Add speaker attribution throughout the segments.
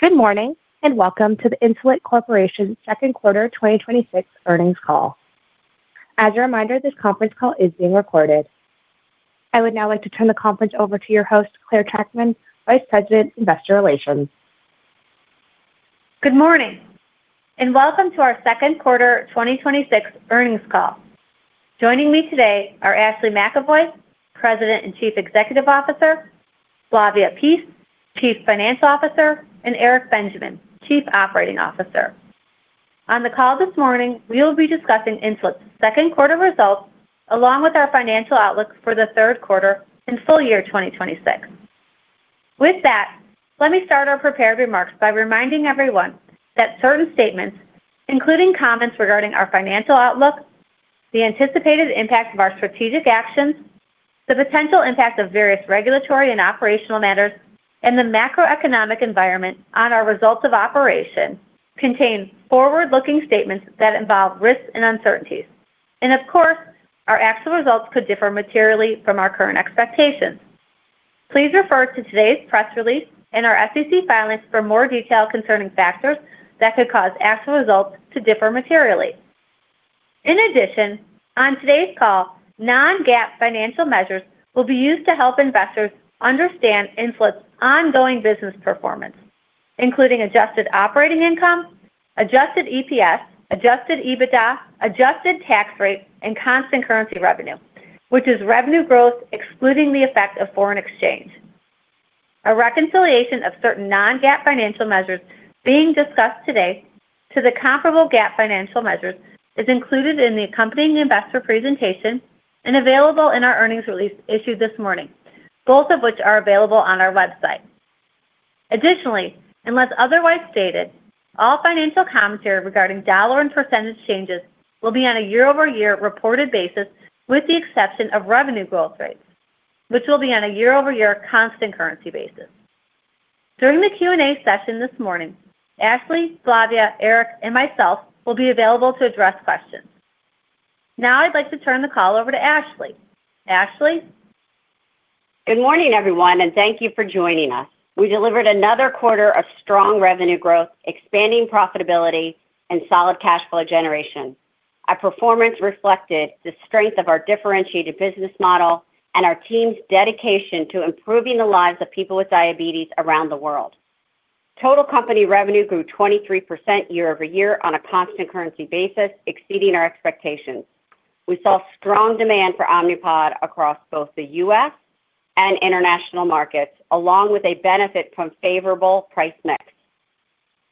Speaker 1: Good morning, and welcome to the Insulet Corporation Second Quarter 2026 Earnings Call. As a reminder, this conference call is being recorded. I would now like to turn the conference over to your host, Clare Trachtman, Vice President of Investor Relations.
Speaker 2: Good morning, and welcome to our Second Quarter 2026 Earnings Call. Joining me today are Ashley McEvoy, President and Chief Executive Officer, Flavia Pease, Chief Financial Officer, and Eric Benjamin, Chief Operating Officer. On the call this morning, we will be discussing Insulet's second quarter results, along with our financial outlook for the third quarter and FY 2026. With that, let me start our prepared remarks by reminding everyone that certain statements, including comments regarding our financial outlook, the anticipated impact of our strategic actions, the potential impact of various regulatory and operational matters, and the macroeconomic environment on our results of operations, contain forward-looking statements that involve risks and uncertainties. Of course, our actual results could differ materially from our current expectations. Please refer to today's press release and our SEC filings for more detail concerning factors that could cause actual results to differ materially. In addition, on today's call, non-GAAP financial measures will be used to help investors understand Insulet's ongoing business performance, including adjusted operating income, adjusted EPS, adjusted EBITDA, adjusted tax rate, and constant currency revenue, which is revenue growth excluding the effect of foreign exchange. A reconciliation of certain non-GAAP financial measures being discussed today to the comparable GAAP financial measures is included in the accompanying investor presentation and available in our earnings release issued this morning, both of which are available on our website. Additionally, unless otherwise stated, all financial commentary regarding dollar and percentage changes will be on a year-over-year reported basis, with the exception of revenue growth rates, which will be on a year-over-year constant currency basis. During the Q&A session this morning, Ashley, Flavia, Eric, and myself will be available to address questions. Now I'd like to turn the call over to Ashley. Ashley?
Speaker 3: Good morning, everyone, and thank you for joining us. We delivered another quarter of strong revenue growth, expanding profitability, and solid cash flow generation. Our performance reflected the strength of our differentiated business model and our team's dedication to improving the lives of people with diabetes around the world. Total company revenue grew 23% year-over-year on a constant currency basis, exceeding our expectations. We saw strong demand for Omnipod across both the U.S. and international markets, along with a benefit from favorable price mix.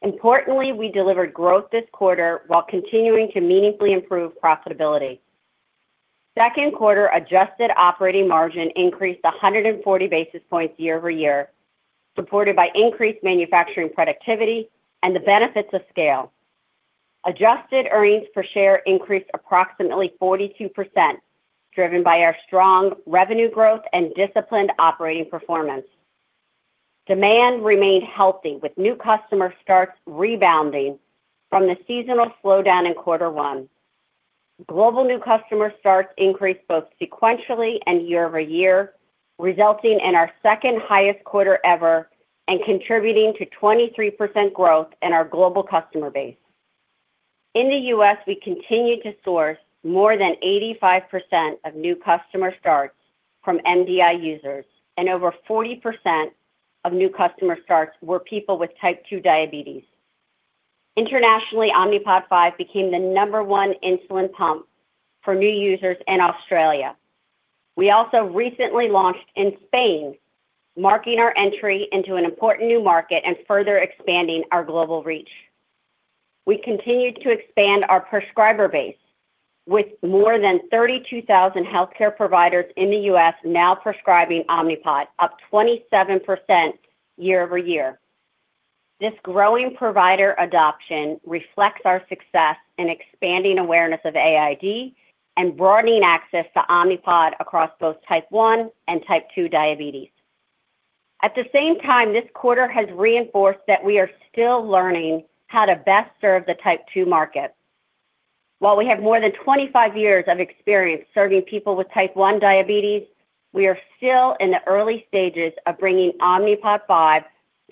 Speaker 3: Importantly, we delivered growth this quarter while continuing to meaningfully improve profitability. Second quarter adjusted operating margin increased 140 basis points year-over-year, supported by increased manufacturing productivity and the benefits of scale. Adjusted earnings per share increased approximately 42%, driven by our strong revenue growth and disciplined operating performance. Demand remained healthy with new customer starts rebounding from the seasonal slowdown in quarter one. Global new customer starts increased both sequentially and year-over-year, resulting in our second highest quarter ever and contributing to 23% growth in our global customer base. In the U.S., we continued to source more than 85% of new customer starts from MDI users, and over 40% of new customer starts were people with Type 2 diabetes. Internationally, Omnipod 5 became the number one insulin pump for new users in Australia. We also recently launched in Spain, marking our entry into an important new market and further expanding our global reach. We continued to expand our prescriber base with more than 32,000 healthcare providers in the U.S. now prescribing Omnipod, up 27% year-over-year. This growing provider adoption reflects our success in expanding awareness of AID and broadening access to Omnipod across both Type 1 and Type 2 diabetes. At the same time, this quarter has reinforced that we are still learning how to best serve the Type 2 market. While we have more than 25 years of experience serving people with Type 1 diabetes, we are still in the early stages of bringing Omnipod 5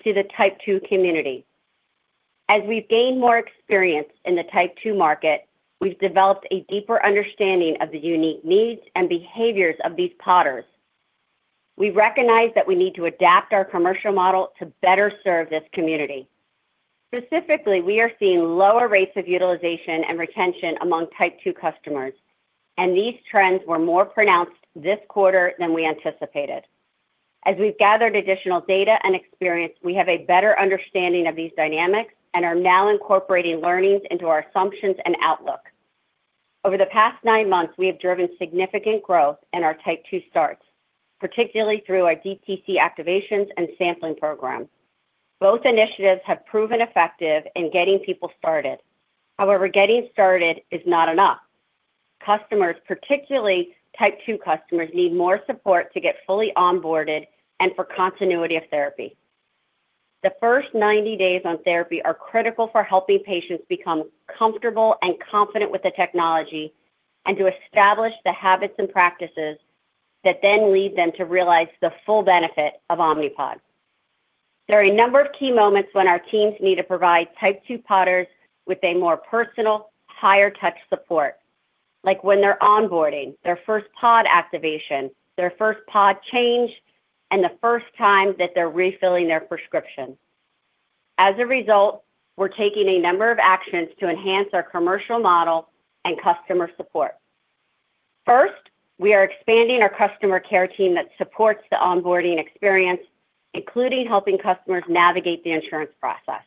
Speaker 3: to the Type 2 community. As we've gained more experience in the Type 2 market, we've developed a deeper understanding of the unique needs and behaviors of these Podders. We recognize that we need to adapt our commercial model to better serve this community. Specifically, we are seeing lower rates of utilization and retention among Type 2 customers, and these trends were more pronounced this quarter than we anticipated. As we've gathered additional data and experience, we have a better understanding of these dynamics and are now incorporating learnings into our assumptions and outlook. Over the past nine months, we have driven significant growth in our Type 2 starts, particularly through our DTC activations and sampling programs. Both initiatives have proven effective in getting people started. However, getting started is not enough. Customers, particularly Type 2 customers, need more support to get fully onboarded and for continuity of therapy. The first 90 days on therapy are critical for helping patients become comfortable and confident with the technology and to establish the habits and practices that then lead them to realize the full benefit of Omnipod. There are a number of key moments when our teams need to provide Type 2 Podders with a more personal, higher touch support, like when they're onboarding, their first pod activation, their first pod change, and the first time that they're refilling their prescription. As a result, we're taking a number of actions to enhance our commercial model and customer support. First, we are expanding our customer care team that supports the onboarding experience, including helping customers navigate the insurance process.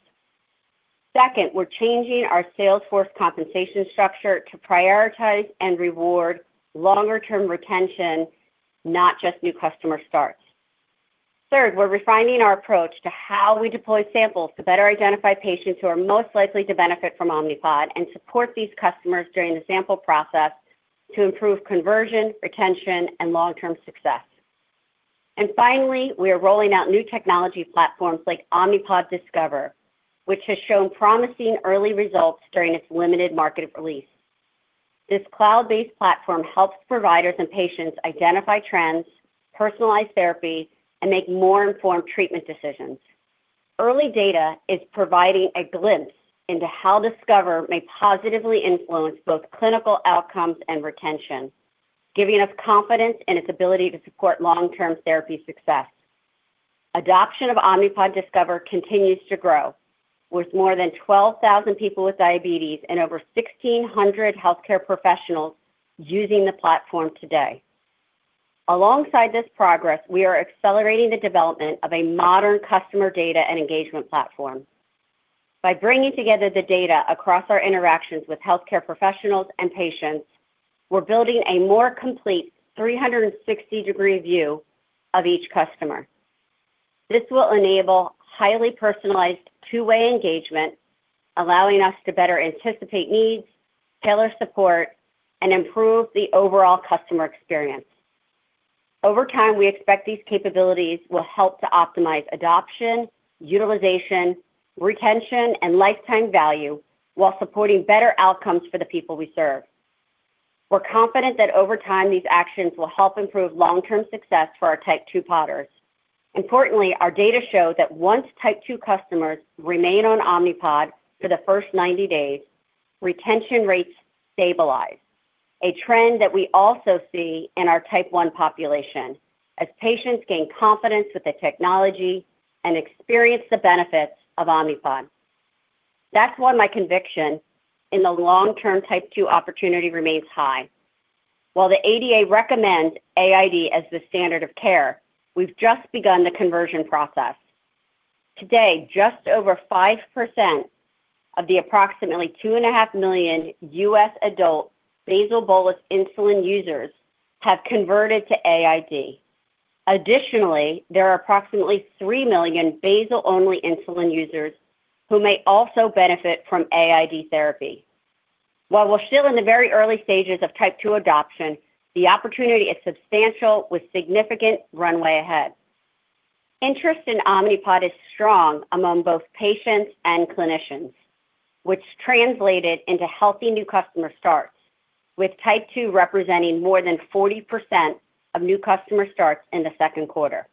Speaker 3: Second, we're changing our sales force compensation structure to prioritize and reward longer term retention, not just new customer starts. Third, we're refining our approach to how we deploy samples to better identify patients who are most likely to benefit from Omnipod and support these customers during the sample process to improve conversion, retention, and long-term success. And finally, we are rolling out new technology platforms like Omnipod Discover, which has shown promising early results during its limited market release. This cloud-based platform helps providers and patients identify trends, personalize therapy, and make more informed treatment decisions. Early data is providing a glimpse into how Discover may positively influence both clinical outcomes and retention, giving us confidence in its ability to support long-term therapy success. Adoption of Omnipod Discover continues to grow. With more than 12,000 people with diabetes and over 1,600 healthcare professionals using the platform today. Alongside this progress, we are accelerating the development of a modern customer data and engagement platform. By bringing together the data across our interactions with healthcare professionals and patients, we're building a more complete 360-degree view of each customer. This will enable highly personalized, two-way engagement, allowing us to better anticipate needs, tailor support, and improve the overall customer experience. Over time, we expect these capabilities will help to optimize adoption, utilization, retention, and lifetime value while supporting better outcomes for the people we serve. We're confident that over time, these actions will help improve long-term success for our Type 2 Podders. Importantly, our data show that once Type 2 customers remain on Omnipod for the first 90 days, retention rates stabilize, a trend that we also see in our Type 1 population as patients gain confidence with the technology and experience the benefits of Omnipod. That's why my conviction in the long-term Type 2 opportunity remains high. While the ADA recommends AID as the standard of care, we've just begun the conversion process. Today, just over 5% of the approximately 2.5 million U.S. adult basal bolus insulin users have converted to AID. Additionally, there are approximately 3 million basal-only insulin users who may also benefit from AID therapy. While we're still in the very early stages of Type 2 adoption, the opportunity is substantial with significant runway ahead. Interest in Omnipod is strong among both patients and clinicians, which translated into healthy new customer starts, with Type 2 representing more than 40% of new customer starts in the second quarter.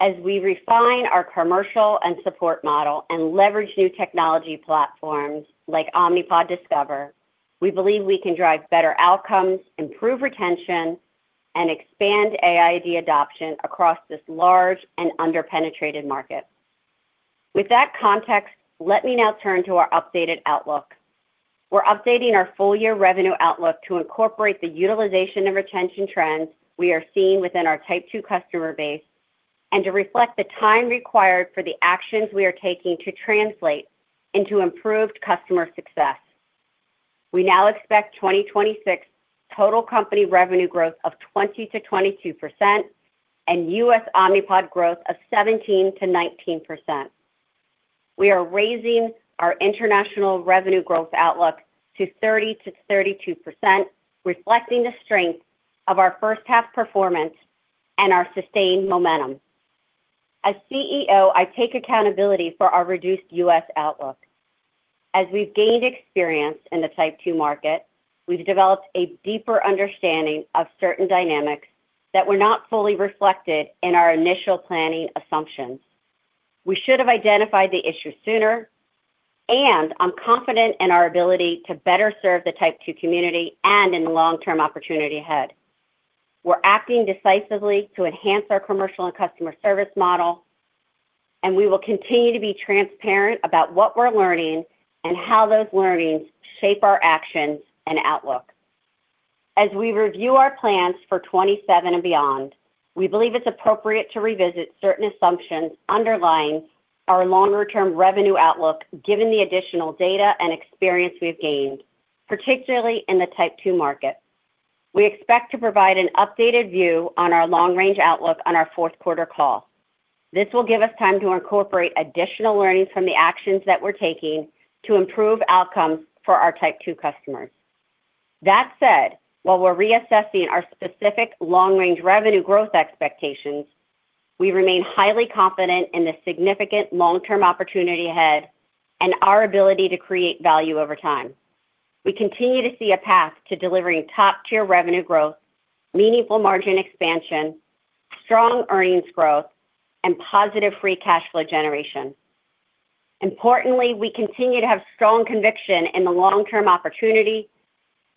Speaker 3: As we refine our commercial and support model and leverage new technology platforms like Omnipod Discover, we believe we can drive better outcomes, improve retention, and expand AID adoption across this large and under-penetrated market. With that context, let me now turn to our updated outlook. We're updating our full year revenue outlook to incorporate the utilization and retention trends we are seeing within our Type 2 customer base and to reflect the time required for the actions we are taking to translate into improved customer success. We now expect 2026 total company revenue growth of 20% to 22% and U.S. Omnipod growth of 17% to 19%. We are raising our international revenue growth outlook to 30% to 32%, reflecting the strength of our first half performance and our sustained momentum. As CEO, I take accountability for our reduced U.S. outlook. As we've gained experience in the Type 2 market, we've developed a deeper understanding of certain dynamics that were not fully reflected in our initial planning assumptions. We should have identified the issue sooner, and I'm confident in our ability to better serve the Type 2 community and in the long-term opportunity ahead. We're acting decisively to enhance our commercial and customer service model, and we will continue to be transparent about what we're learning and how those learnings shape our actions and outlook. As we review our plans for 2027 and beyond, we believe it's appropriate to revisit certain assumptions underlying our longer-term revenue outlook, given the additional data and experience we've gained, particularly in the Type 2 market. We expect to provide an updated view on our long-range outlook on our fourth quarter call. This will give us time to incorporate additional learnings from the actions that we're taking to improve outcomes for our Type 2 customers. That said, while we're reassessing our specific long-range revenue growth expectations, we remain highly confident in the significant long-term opportunity ahead and our ability to create value over time. We continue to see a path to delivering top-tier revenue growth, meaningful margin expansion, strong earnings growth, and positive free cash flow generation. Importantly, we continue to have strong conviction in the long-term opportunity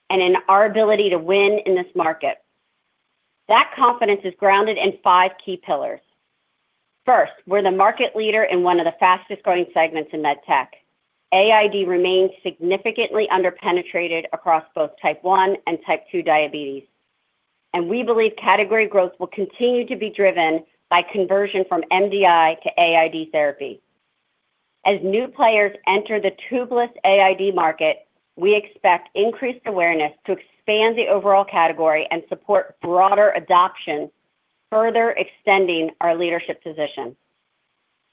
Speaker 3: and in our ability to win in this market. That confidence is grounded in five key pillars. First, we're the market leader in one of the fastest-growing segments in med tech. AID remains significantly under-penetrated across both Type 1 and Type 2 diabetes, and we believe category growth will continue to be driven by conversion from MDI to AID therapy. As new players enter the tubeless AID market, we expect increased awareness to expand the overall category and support broader adoption, further extending our leadership position.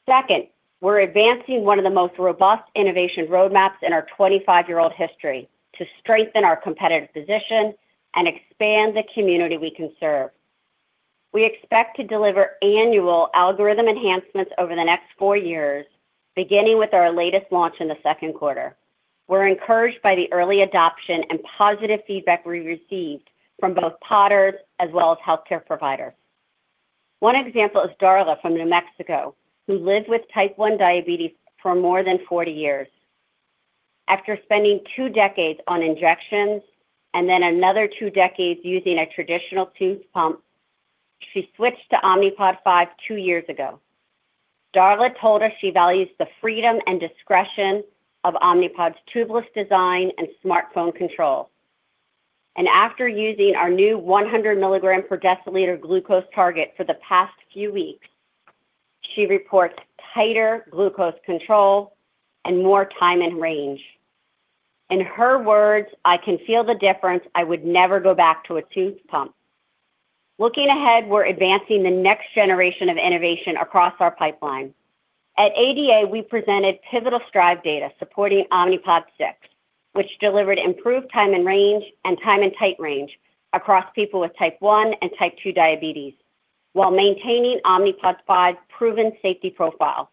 Speaker 3: Second, we're advancing one of the most robust innovation roadmaps in our 25-year-old history to strengthen our competitive position and expand the community we can serve. We expect to deliver annual algorithm enhancements over the next four years, beginning with our latest launch in the second quarter. We're encouraged by the early adoption and positive feedback we received from both Podders as well as healthcare providers. One example is Darla from New Mexico, who lived with Type 1 diabetes for more than 40 years. After spending two decades on injections and then another two decades using a traditional tube pump, she switched to Omnipod 5 two years ago. Darla told us she values the freedom and discretion of Omnipod's tubeless design and smartphone control. After using our new 100 mg/dL glucose target for the past few weeks, she reports tighter glucose control and more time in range. In her words, "I can feel the difference. I would never go back to a tube pump." Looking ahead, we're advancing the next generation of innovation across our pipeline. At ADA, we presented pivotal STRIVE data supporting Omnipod 6, which delivered improved time in range and time in tight range across people with Type 1 and Type 2 diabetes, while maintaining Omnipod 5's proven safety profile.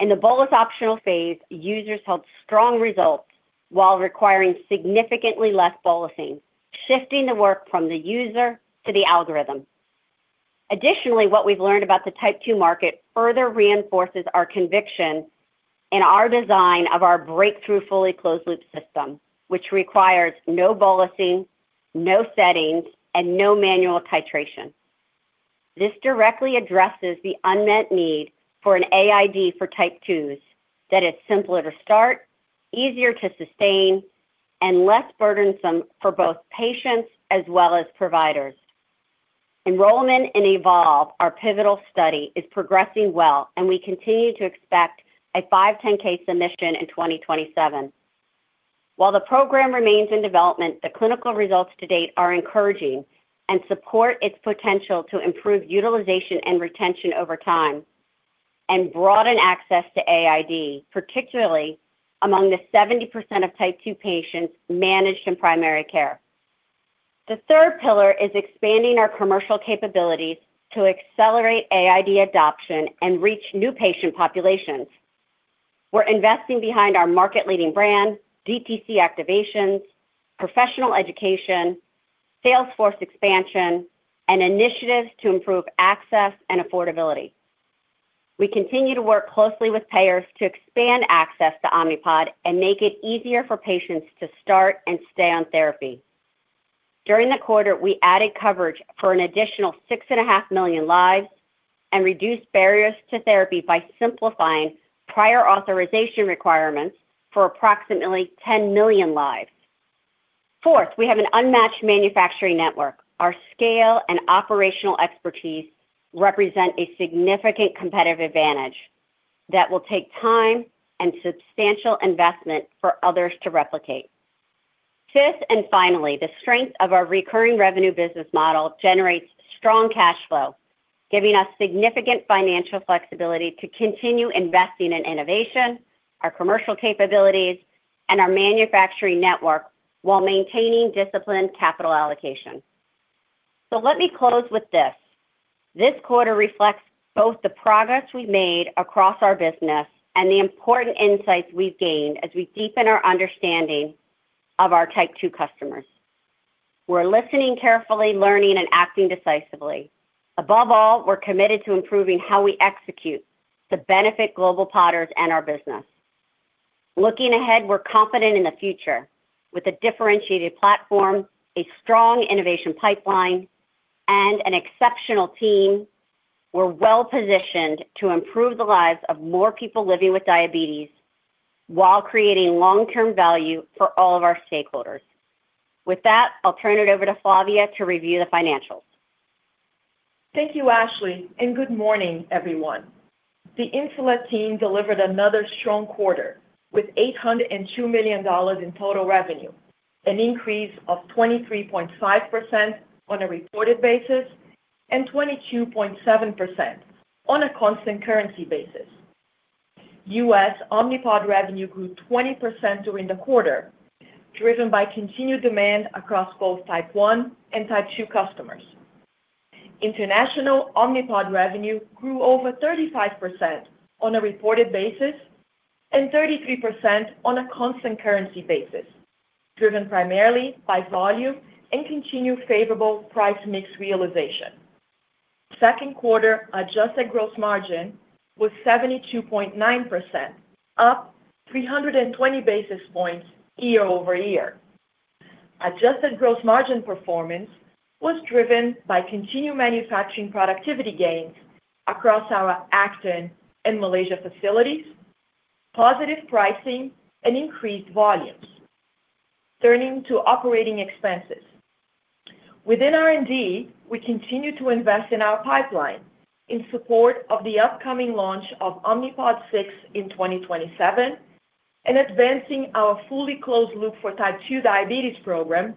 Speaker 3: In the bolus optional phase, users held strong results while requiring significantly less bolusing, shifting the work from the user to the algorithm. Additionally, what we've learned about the Type 2 market further reinforces our conviction in our design of our breakthrough fully closed-loop system, which requires no bolusing, no settings, and no manual titration. This directly addresses the unmet need for an AID for Type 2s that is simpler to start, easier to sustain, and less burdensome for both patients as well as providers. Enrollment in Evolve, our pivotal study, is progressing well, and we continue to expect a 510(k) submission in 2027. While the program remains in development, the clinical results to date are encouraging and support its potential to improve utilization and retention over time and broaden access to AID, particularly among the 70% of Type 2 patients managed in primary care. The third pillar is expanding our commercial capabilities to accelerate AID adoption and reach new patient populations. We are investing behind our market-leading brand, DTC activations, professional education, sales force expansion, and initiatives to improve access and affordability. We continue to work closely with payers to expand access to Omnipod and make it easier for patients to start and stay on therapy. During the quarter, we added coverage for an additional 6.5 million lives and reduced barriers to therapy by simplifying prior authorization requirements for approximately 10 million lives. Fourth, we have an unmatched manufacturing network. Our scale and operational expertise represent a significant competitive advantage that will take time and substantial investment for others to replicate. Fifth, finally, the strength of our recurring revenue business model generates strong cash flow, giving us significant financial flexibility to continue investing in innovation, our commercial capabilities, and our manufacturing network while maintaining disciplined capital allocation. Let me close with this. This quarter reflects both the progress we have made across our business and the important insights we have gained as we deepen our understanding of our Type 2 customers. We are listening carefully, learning, and acting decisively. Above all, we are committed to improving how we execute to benefit global Podders and our business. Looking ahead, we are confident in the future. With a differentiated platform, a strong innovation pipeline, and an exceptional team, we are well-positioned to improve the lives of more people living with diabetes while creating long-term value for all of our stakeholders. With that, I will turn it over to Flavia to review the financials.
Speaker 4: Thank you, Ashley. Good morning, everyone. The Insulet team delivered another strong quarter with $802 million in total revenue, an increase of 23.5% on a reported basis and 22.7% on a constant currency basis. U.S. Omnipod revenue grew 20% during the quarter, driven by continued demand across both Type 1 and Type 2 customers. International Omnipod revenue grew over 35% on a reported basis and 33% on a constant currency basis, driven primarily by volume and continued favorable price mix realization. Second quarter adjusted gross margin was 72.9%, up 320 basis points year-over-year. Adjusted gross margin performance was driven by continued manufacturing productivity gains across our Acton and Malaysia facilities, positive pricing, and increased volumes. Turning to operating expenses. Within R&D, we continue to invest in our pipeline in support of the upcoming launch of Omnipod 6 in 2027 and advancing our fully closed loop for Type 2 diabetes program,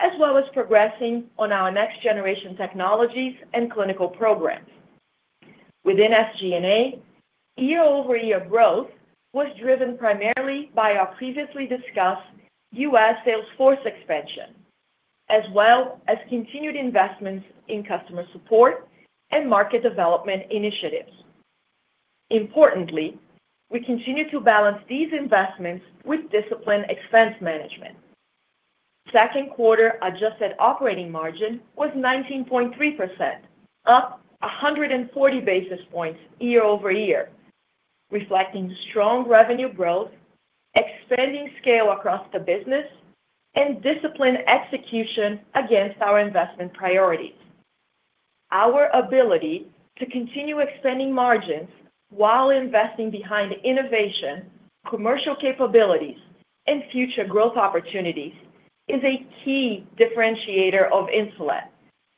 Speaker 4: as well as progressing on our next generation technologies and clinical programs. Within SG&A, year-over-year growth was driven primarily by our previously discussed U.S. sales force expansion, as well as continued investments in customer support and market development initiatives. Importantly, we continue to balance these investments with disciplined expense management. Second quarter adjusted operating margin was 19.3%, up 140 basis points year-over-year, reflecting strong revenue growth, expanding scale across the business, and disciplined execution against our investment priorities. Our ability to continue expanding margins while investing behind innovation, commercial capabilities, and future growth opportunities is a key differentiator of Insulet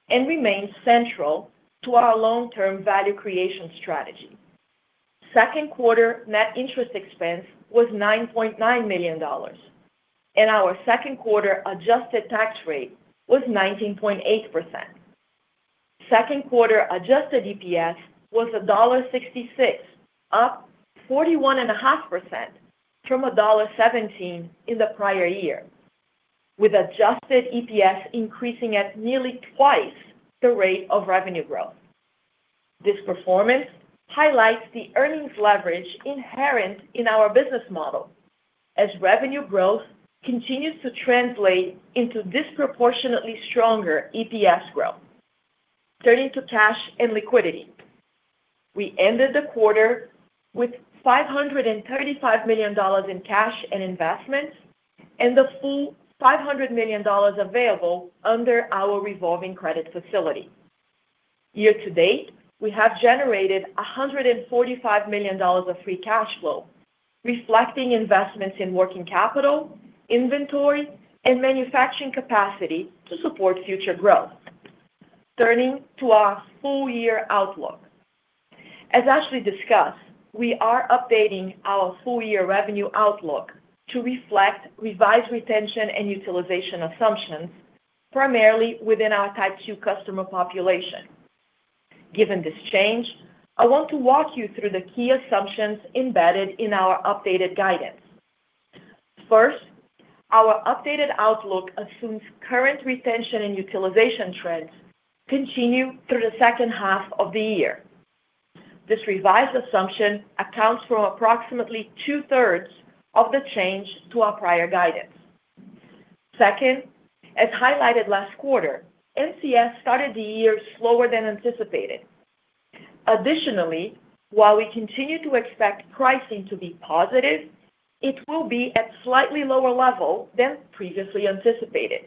Speaker 4: and remains central to our long-term value creation strategy. Second quarter net interest expense was $9.9 million, and our second quarter adjusted tax rate was 19.8%. Second quarter adjusted EPS was $1.66, up 41.5% from $1.17 in the prior year, with adjusted EPS increasing at nearly twice the rate of revenue growth. This performance highlights the earnings leverage inherent in our business model as revenue growth continues to translate into disproportionately stronger EPS growth. Turning to cash and liquidity. We ended the quarter with $535 million in cash and investments and the full $500 million available under our revolving credit facility. Year-to-date, we have generated $145 million of free cash flow, reflecting investments in working capital, inventory, and manufacturing capacity to support future growth. Turning to our full year outlook. As Ashley McEvoy discussed, we are updating our full year revenue outlook to reflect revised retention and utilization assumptions, primarily within our Type 2 customer population. Given this change, I want to walk you through the key assumptions embedded in our updated guidance. First, our updated outlook assumes current retention and utilization trends continue through the second half of the year. This revised assumption accounts for approximately two-thirds of the change to our prior guidance. Second, as highlighted last quarter, NCS started the year slower than anticipated. Additionally, while we continue to expect pricing to be positive, it will be at slightly lower level than previously anticipated.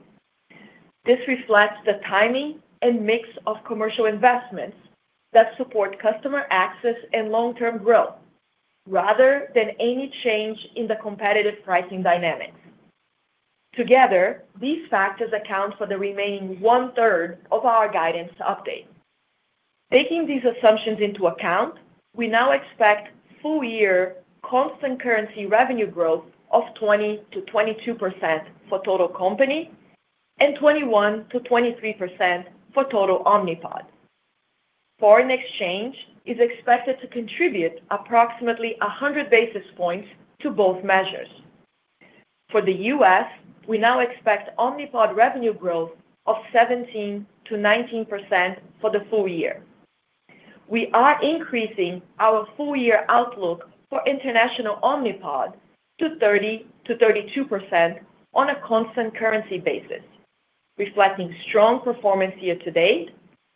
Speaker 4: This reflects the timing and mix of commercial investments that support customer access and long-term growth rather than any change in the competitive pricing dynamics. Together, these factors account for the remaining one-third of our guidance update. Taking these assumptions into account, we now expect full year constant currency revenue growth of 20% to 22% for total company and 21% to 23% for total Omnipod. Foreign exchange is expected to contribute approximately 100 basis points to both measures. For the U.S., we now expect Omnipod revenue growth of 17% to 19% for the full year. We are increasing our full year outlook for international Omnipod to 30% to 32% on a constant currency basis, reflecting strong performance year-to-date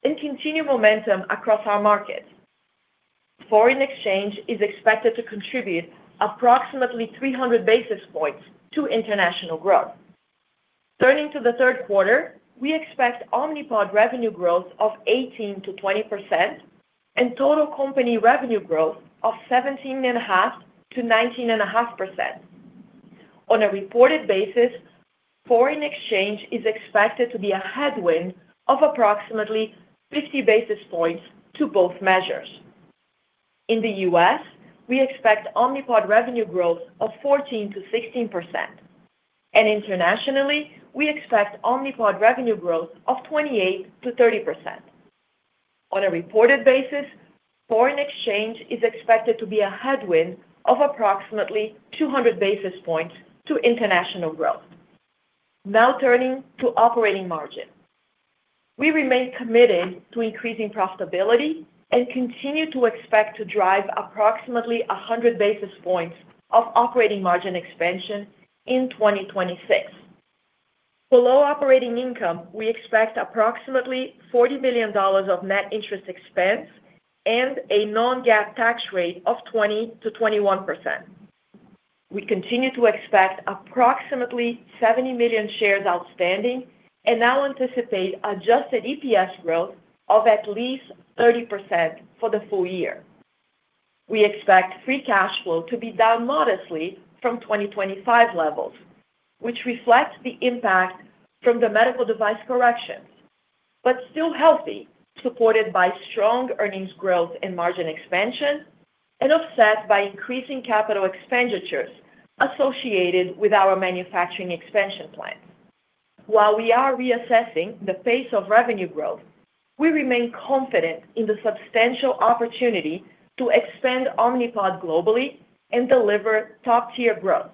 Speaker 4: and continued momentum across our markets. Foreign exchange is expected to contribute approximately 300 basis points to international growth. Turning to the third quarter, we expect Omnipod revenue growth of 18% to 20% and total company revenue growth of 17.5% to 19.5%. On a reported basis, foreign exchange is expected to be a headwind of approximately 50 basis points to both measures. In the U.S., we expect Omnipod revenue growth of 14% to 16%, and internationally, we expect Omnipod revenue growth of 28% to 30%. On a reported basis, foreign exchange is expected to be a headwind of approximately 200 basis points to international growth. Now turning to operating margin. We remain committed to increasing profitability and continue to expect to drive approximately 100 basis points of operating margin expansion in 2026. For low operating income, we expect approximately $40 million of net interest expense and a non-GAAP tax rate of 20% to 21%. We continue to expect approximately 70 million shares outstanding and now anticipate adjusted EPS growth of at least 30% for the full year. We expect free cash flow to be down modestly from 2025 levels, which reflects the impact from the medical device correction, but still healthy, supported by strong earnings growth and margin expansion, and offset by increasing capital expenditures associated with our manufacturing expansion plans. While we are reassessing the pace of revenue growth, we remain confident in the substantial opportunity to expand Omnipod globally and deliver top-tier growth.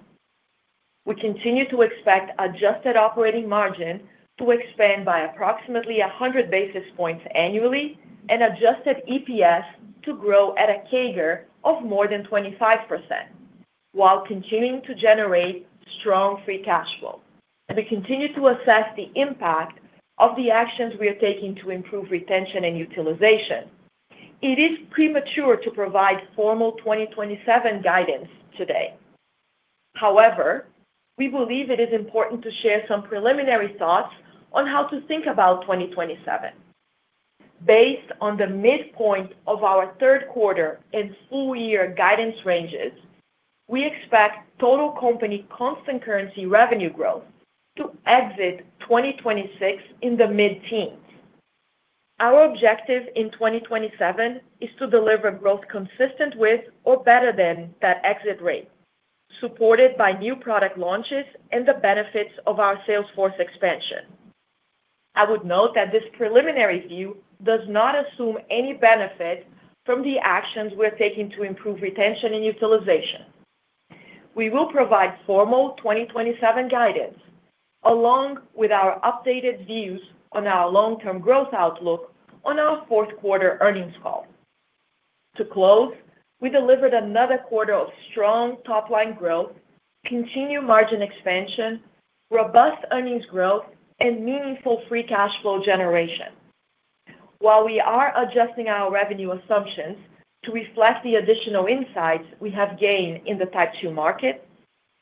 Speaker 4: We continue to expect adjusted operating margin to expand by approximately 100 basis points annually and adjusted EPS to grow at a CAGR of more than 25%, while continuing to generate strong free cash flow. As we continue to assess the impact of the actions we are taking to improve retention and utilization, it is premature to provide formal 2027 guidance today. However, we believe it is important to share some preliminary thoughts on how to think about 2027. Based on the midpoint of our third quarter and full year guidance ranges, we expect total company constant currency revenue growth to exit 2026 in the mid-teens. Our objective in 2027 is to deliver growth consistent with or better than that exit rate, supported by new product launches and the benefits of our sales force expansion. I would note that this preliminary view does not assume any benefit from the actions we are taking to improve retention and utilization. We will provide formal 2027 guidance along with our updated views on our long-term growth outlook on our fourth quarter earnings call. To close, we delivered another quarter of strong top-line growth, continued margin expansion, robust earnings growth, and meaningful free cash flow generation. While we are adjusting our revenue assumptions to reflect the additional insights we have gained in the Type 2 market,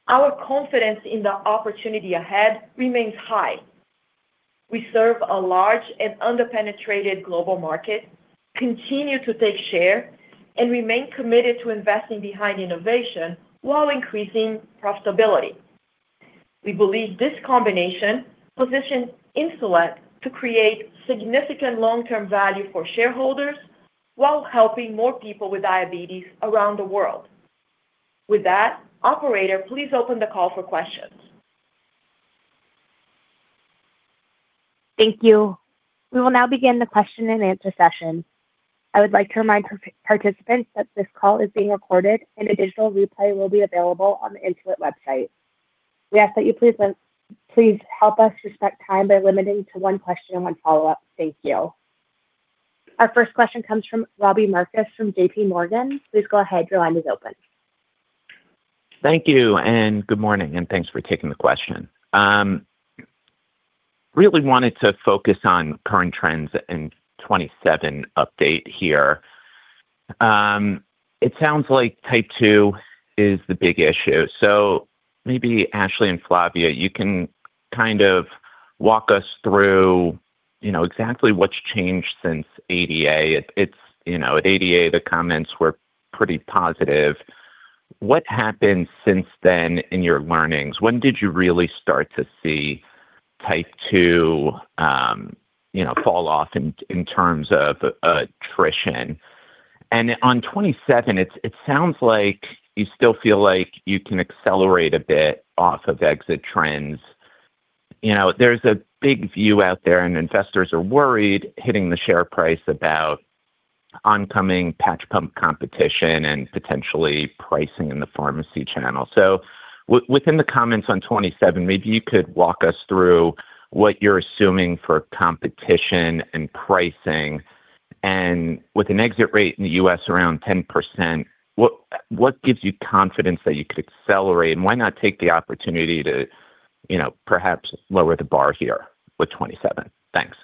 Speaker 4: our confidence in the opportunity ahead remains high. We serve a large and under-penetrated global market, continue to take share, and remain committed to investing behind innovation while increasing profitability. We believe this combination positions Insulet to create significant long-term value for shareholders while helping more people with diabetes around the world. With that, operator, please open the call for questions.
Speaker 1: Thank you. We will now begin the question and answer session. I would like to remind participants that this call is being recorded and a digital replay will be available on the Insulet website. We ask that you please help us respect time by limiting to one question and one follow-up. Thank you. Our first question comes from Robbie Marcus from J.P. Morgan. Please go ahead. Your line is open.
Speaker 5: Thank you, and good morning, and thanks for taking the question. Really wanted to focus on current trends in 2027 update here. It sounds like Type 2 is the big issue. Maybe Ashley and Flavia, you can kind of walk us through exactly what's changed since ADA. At ADA, the comments were pretty positive. What happened since then in your learnings? When did you really start to see Type 2 fall off in terms of attrition? On 2027, it sounds like you still feel like you can accelerate a bit off of exit trends. There's a big view out there, and investors are worried hitting the share price about oncoming patch pump competition and potentially pricing in the pharmacy channel. Within the comments on 2027, maybe you could walk us through what you're assuming for competition and pricing. With an exit rate in the U.S. around 10%, what gives you confidence that you could accelerate, and why not take the opportunity to perhaps lower the bar here with 2027? Thanks.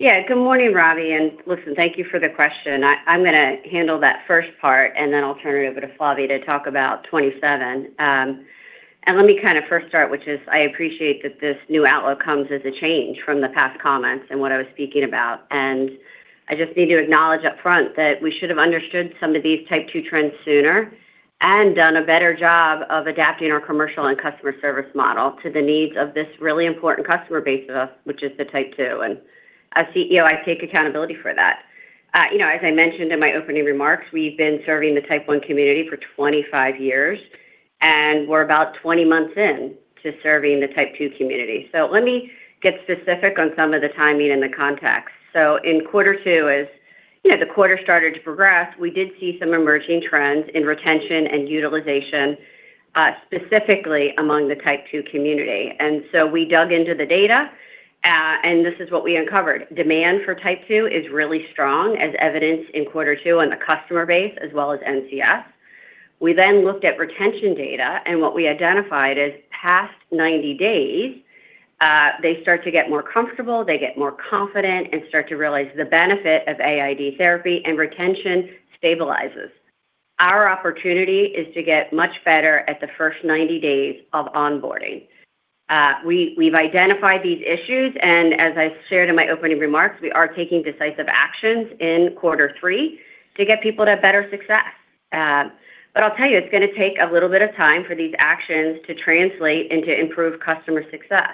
Speaker 3: Good morning, Robbie. Listen, thank you for the question. I'm going to handle that first part, and then I'll turn it over to Flavia to talk about 2027. Let me kind of first start, which is I appreciate that this new outlook comes as a change from the past comments and what I was speaking about. I just need to acknowledge up front that we should have understood some of these Type 2 trends sooner and done a better job of adapting our commercial and customer service model to the needs of this really important customer base of us, which is the Type 2. As CEO, I take accountability for that. As I mentioned in my opening remarks, we've been serving the Type 1 community for 25 years, and we're about 20 months in to serving the Type 2 community. Let me get specific of some of the timing and context. In quarter two is, the quarter started to progress. We did see some emerging trends in retention and utilization, specifically among the Type 2 community. We dug into the data, and this is what we uncovered. Demand for Type 2 is really strong, as evidenced in quarter two on the customer base as well as NCS. We looked at retention data, and what we identified is past 90 days, they start to get more comfortable, they get more confident, and start to realize the benefit of AID therapy and retention stabilizes. Our opportunity is to get much better at the first 90 days of onboarding. We've identified these issues, and as I shared in my opening remarks, we are taking decisive actions in quarter three to get people to have better success. I'll tell you, it's going to take a little bit of time for these actions to translate and to improve customer success.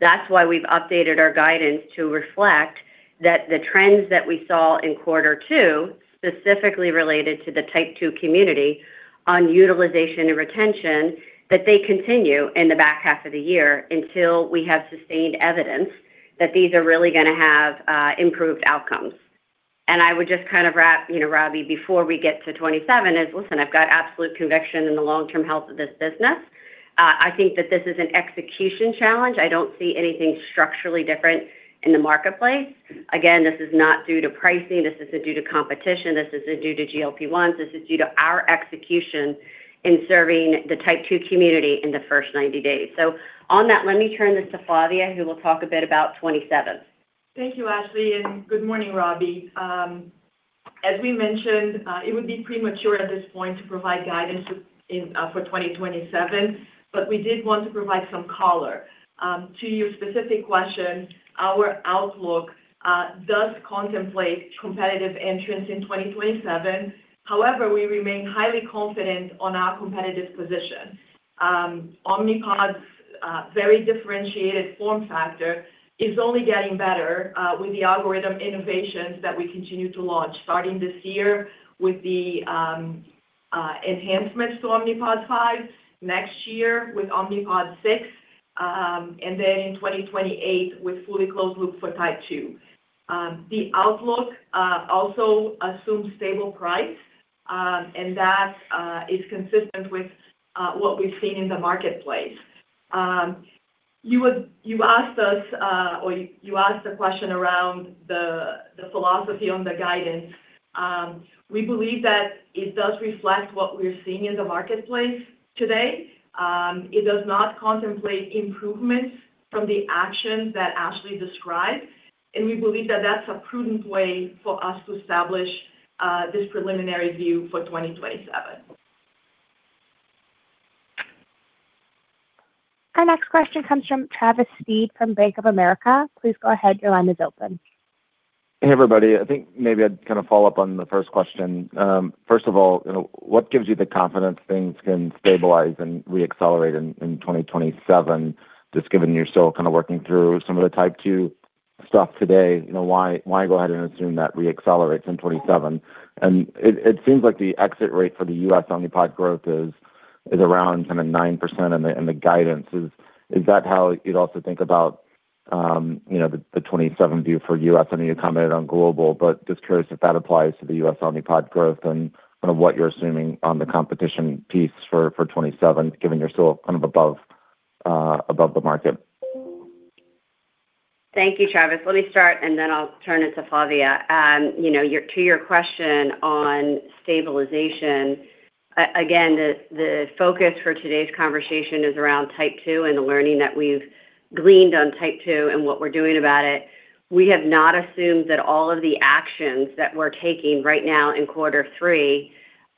Speaker 3: That's why we've updated our guidance to reflect that the trends that we saw in quarter two, specifically related to the Type 2 community on utilization and retention, that they continue in the back half of the year until we have sustained evidence that these are really going to have improved outcomes. I would just kind of wrap, Robbie, before we get to 27, is listen, I've got absolute conviction in the long-term health of this business. I think that this is an execution challenge. I don't see anything structurally different in the marketplace. Again, this is not due to pricing. This isn't due to competition. This isn't due to GLP-1s. This is due to our execution in serving the Type 2 community in the first 90 days. On that, let me turn this to Flavia, who will talk a bit about 27.
Speaker 4: Thank you, Ashley, and good morning, Robbie. As we mentioned, it would be premature at this point to provide guidance for 2027, we did want to provide some color. To your specific question, our outlook does contemplate competitive entrants in 2027. We remain highly confident on our competitive position. Omnipod's very differentiated form factor is only getting better with the algorithm innovations that we continue to launch, starting this year with the enhancements to Omnipod 5, next year with Omnipod 6, and then in 2028 with fully closed loop for Type 2. The outlook also assumes stable price, that is consistent with what we've seen in the marketplace. You asked the question around the philosophy on the guidance. We believe that it does reflect what we're seeing in the marketplace today. It does not contemplate improvements from the actions that Ashley described. We believe that that's a prudent way for us to establish this preliminary view for 2027.
Speaker 1: Our next question comes from Travis Steed from Bank of America. Please go ahead. Your line is open.
Speaker 6: Hey, everybody. I think maybe I'd kind of follow up on the first question. First of all, what gives you the confidence things can stabilize and re-accelerate in 2027, just given you're still kind of working through some of the Type 2 stuff today? Why go ahead and assume that re-accelerates in 2027? It seems like the exit rate for the U.S. Omnipod growth is around 9% in the guidance. Is that how you'd also think about the 2027 view for U.S.? I know you commented on global, but just curious if that applies to the U.S. Omnipod growth and what you're assuming on the competition piece for 2027, given you're still above the market.
Speaker 3: Thank you, Travis. Let me start, and then I'll turn it to Flavia. To your question on stabilization, again, the focus for today's conversation is around Type 2 and the learning that we've gleaned on Type 2 and what we're doing about it. We have not assumed that all of the actions that we're taking right now in quarter three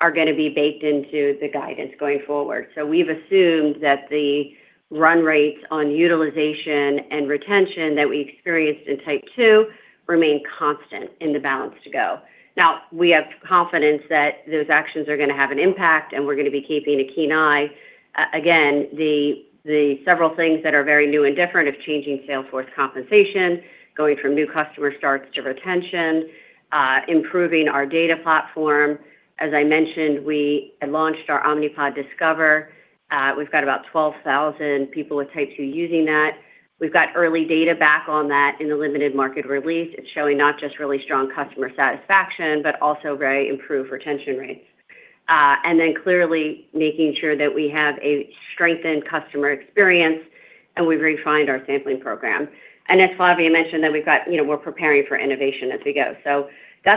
Speaker 3: are going to be baked into the guidance going forward. We've assumed that the run rates on utilization and retention that we experienced in Type 2 remain constant in the balance to go. Now, we have confidence that those actions are going to have an impact, and we're going to be keeping a keen eye. Again, the several things that are very new and different of changing sales force compensation, going from New Customer Starts to retention, improving our data platform. As I mentioned, we had launched our Omnipod Discover. We've got about 12,000 people with Type 2 using that. We've got early data back on that in the limited market release. It's showing not just really strong customer satisfaction, but also very improved retention rates. Clearly making sure that we have a strengthened customer experience, and we've refined our sampling program. As Flavia mentioned, that we're preparing for innovation as we go. That's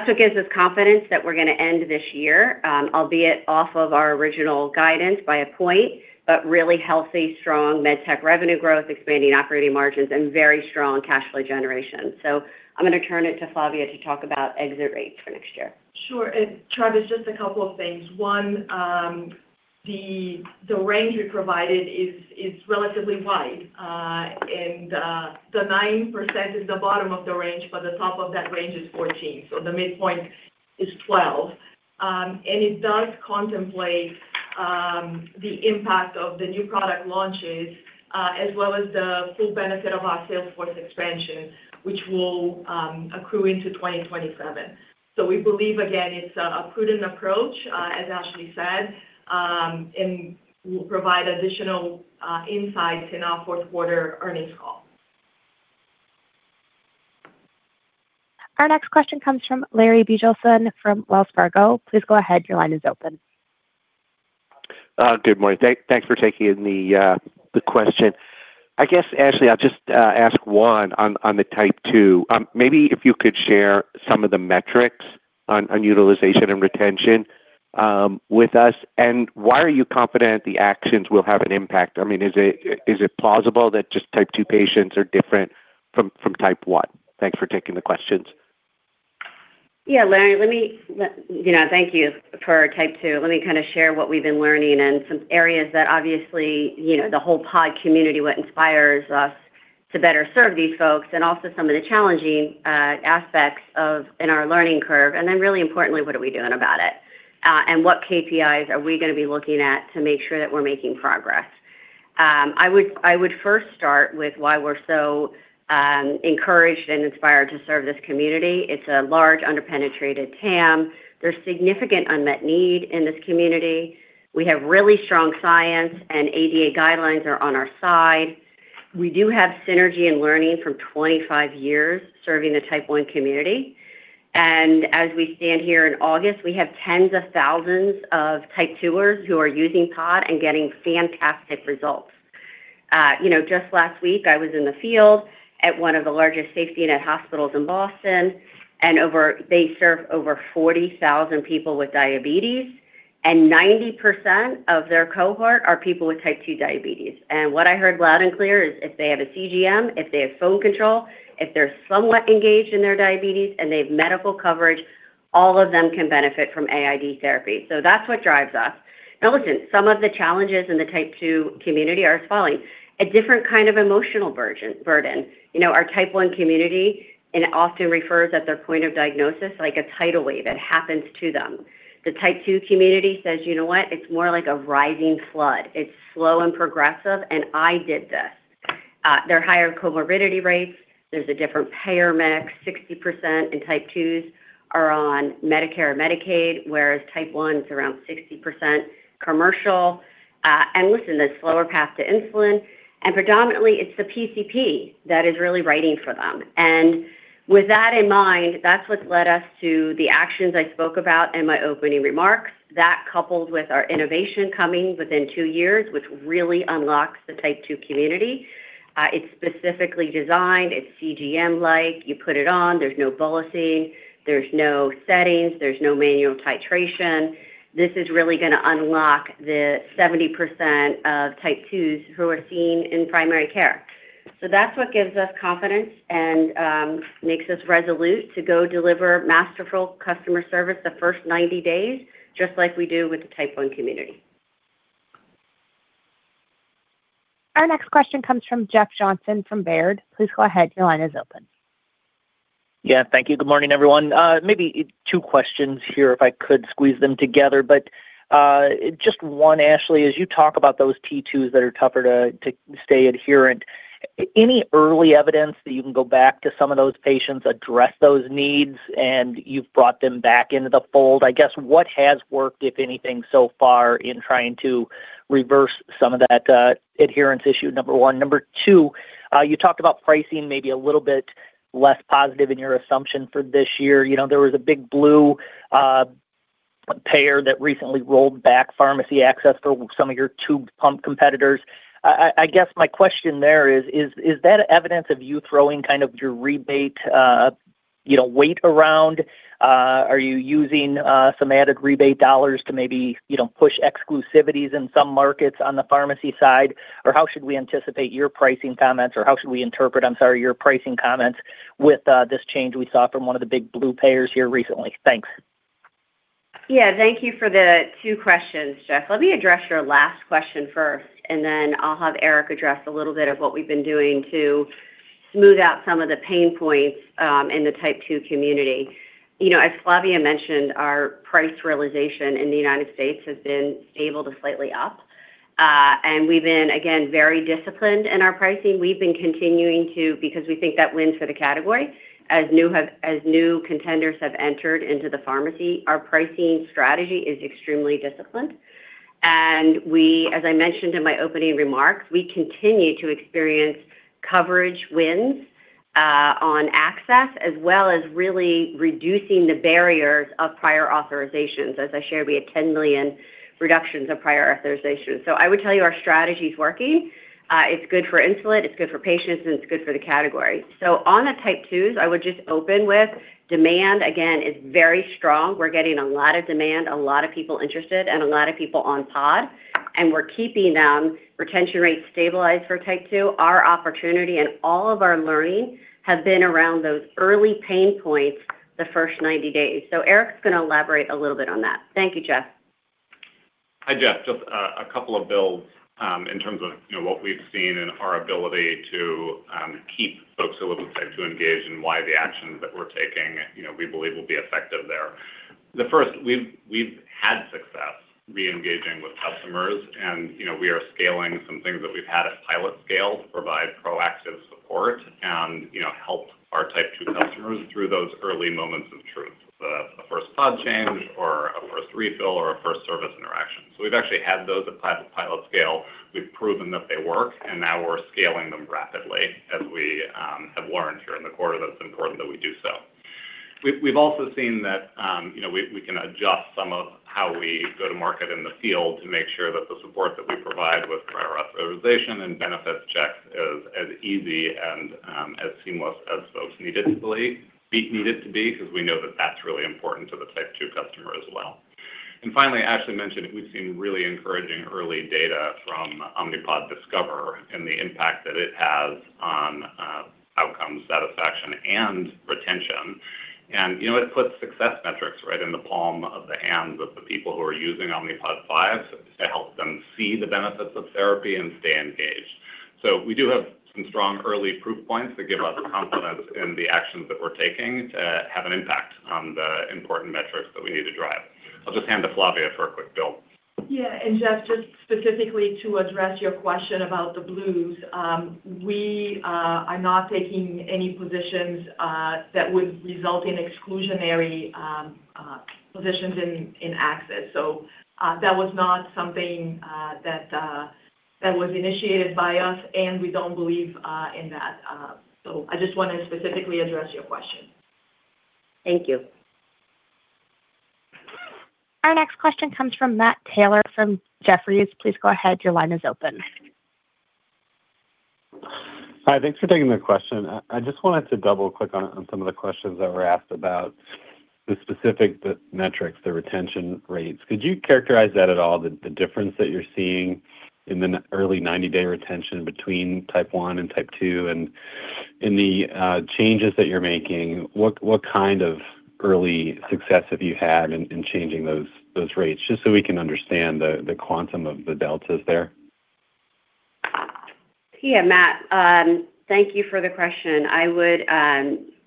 Speaker 3: what gives us confidence that we're going to end this year, albeit off of our original guidance by a point, but really healthy, strong medtech revenue growth, expanding operating margins, and very strong cash flow generation. I'm going to turn it to Flavia to talk about exit rates for next year.
Speaker 4: Sure. Travis, just a couple of things. One, the range we provided is relatively wide, and the 9% is the bottom of the range, but the top of that range is 14. The midpoint is 12. It does contemplate the impact of the new product launches as well as the full benefit of our sales force expansion, which will accrue into 2027. We believe, again, it's a prudent approach, as Ashley said, and we'll provide additional insights in our fourth quarter earnings call.
Speaker 1: Our next question comes from Larry Biegelsen from Wells Fargo. Please go ahead. Your line is open.
Speaker 7: Good morning. Thanks for taking the question. I guess, Ashley, I'll just ask one on the Type 2. Maybe if you could share some of the metrics on utilization and retention with us, and why are you confident the actions will have an impact? Is it plausible that just Type 2 patients are different from Type 1? Thanks for taking the questions.
Speaker 3: Yeah. Larry, thank you for Type 2. Let me share what we have been learning and some areas that obviously, the whole Pod community, what inspires us to better serve these folks, also some of the challenging aspects in our learning curve. Really importantly, what are we doing about it? What KPIs are we going to be looking at to make sure that we are making progress? I would first start with why we are so encouraged and inspired to serve this community. It is a large, under-penetrated TAM. There is significant unmet need in this community. We have really strong science, ADA guidelines are on our side. We do have synergy and learning from 25 years serving the Type 1 community. As we stand here in August, we have tens of thousands of Type 2s who are using Pod and getting fantastic results. Just last week, I was in the field at one of the largest safety net hospitals in Boston. They serve over 40,000 people with diabetes, 90% of their cohort are people with Type 2 diabetes. What I heard loud and clear is if they have a CGM, if they have phone control, if they are somewhat engaged in their diabetes and they have medical coverage, all of them can benefit from AID therapy. That is what drives us. Listen, some of the challenges in the Type 2 community are as follows. A different kind of emotional burden. Our Type 1 community, it often refers at their point of diagnosis like a tidal wave, it happens to them. The Type 2 community says, "You know what? It is more like a rising flood. It is slow and progressive, and I did this." There are higher comorbidity rates. There is a different payer mix, 60% in Type 2s are on Medicare or Medicaid, whereas Type 1 is around 60% commercial. Listen, there is slower path to insulin, predominantly it is the PCP that is really writing for them. With that in mind, that is what has led us to the actions I spoke about in my opening remarks. That coupled with our innovation coming within 2 years, which really unlocks the Type 2 community. It is specifically designed. It is CGM-like. You put it on, there is no bolusing, there is no settings, there is no manual titration. This is really going to unlock the 70% of Type 2s who are seen in primary care. That is what gives us confidence and makes us resolute to go deliver masterful customer service the first 90 days, just like we do with the Type 1 community.
Speaker 1: Our next question comes from Jeff Johnson from Baird. Please go ahead. Your line is open.
Speaker 8: Yeah. Thank you. Good morning, everyone. Maybe two questions here if I could squeeze them together. Just one, Ashley, as you talk about those T2s that are tougher to stay adherent, any early evidence that you can go back to some of those patients, address those needs, and you've brought them back into the fold? I guess what has worked, if anything, so far in trying to reverse some of that adherence issue, number one. Number two, you talked about pricing maybe a little bit less positive in your assumption for this year. There was a big blue payer that recently rolled back pharmacy access for some of your tube pump competitors. I guess my question there is that evidence of you throwing your rebate weight around? Are you using some added rebate dollars to maybe push exclusivities in some markets on the pharmacy side? How should we anticipate your pricing comments, or how should we interpret, I'm sorry, your pricing comments with this change we saw from one of the big blue payers here recently? Thanks.
Speaker 3: Yeah. Thank you for the two questions, Jeff. Let me address your last question first. Then I'll have Eric address a little bit of what we've been doing to smooth out some of the pain points in the Type 2 community. As Flavia mentioned, our price realization in the United States has been stable to slightly up. We've been, again, very disciplined in our pricing. We've been continuing to because we think that wins for the category. As new contenders have entered into the pharmacy, our pricing strategy is extremely disciplined. As I mentioned in my opening remarks, we continue to experience coverage wins on access, as well as really reducing the barriers of prior authorizations. As I shared, we had 10 million reductions of prior authorizations. I would tell you our strategy's working. It's good for Insulet, it's good for patients, and it's good for the category. On the Type 2s, I would just open with demand, again, is very strong. We're getting a lot of demand, a lot of people interested, and a lot of people on Pod, and we're keeping them. Retention rates stabilized for Type 2. Our opportunity and all of our learning have been around those early pain points the first 90 days. Eric's going to elaborate a little bit on that. Thank you, Jeff.
Speaker 9: Hi, Jeff. Just a couple of builds in terms of what we've seen and our ability to keep folks who are Type 2 engaged and why the actions that we're taking, we believe will be effective there. The first, we've had success re-engaging with customers, and we are scaling some things that we've had at pilot scale to provide proactive support and help our Type 2 customers through those early moments of Pod change or a first refill or a first service interaction. We've actually had those at pilot scale. We've proven that they work, and now we're scaling them rapidly, as we have learned here in the quarter that it's important that we do so. We've also seen that we can adjust some of how we go to market in the field to make sure that the support that we provide with prior authorization and benefits checks is as easy and as seamless as folks need it to be, because we know that that's really important to the Type 2 customer as well. Finally, Ashley mentioned we've seen really encouraging early data from Omnipod Discover and the impact that it has on outcomes, satisfaction, and retention. It puts success metrics right in the palm of the hands of the people who are using Omnipod 5 to help them see the benefits of therapy and stay engaged. We do have some strong early proof points that give us confidence in the actions that we're taking to have an impact on the important metrics that we need to drive. I'll just hand to Flavia for a quick build.
Speaker 4: Yeah. Jeff, just specifically to address your question about the blues. We are not taking any positions that would result in exclusionary positions in access. That was not something that was initiated by us, and we don't believe in that. I just want to specifically address your question.
Speaker 3: Thank you.
Speaker 1: Our next question comes from Matt Taylor from Jefferies. Please go ahead. Your line is open.
Speaker 10: Hi. Thanks for taking the question. I just wanted to double-click on some of the questions that were asked about the specific metrics, the retention rates. Could you characterize that at all, the difference that you're seeing in the early 90-day retention between Type 1 and Type 2 and in the changes that you're making? What kind of early success have you had in changing those rates, just so we can understand the quantum of the deltas there?
Speaker 3: Yeah, Matt. Thank you for the question.